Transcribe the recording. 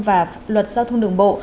và luật giao thông đường bộ